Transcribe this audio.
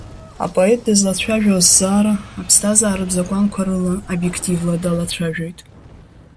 Апоет дызлацәажәо азҵаара, аԥсҭазааратә закәанқәа рыла, обиективла далацәажәоит.